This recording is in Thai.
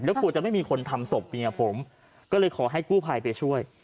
แล้วกลัวจะไม่มีคนทำศพเมียผมก็เลยขอให้กู้ภัยไปช่วย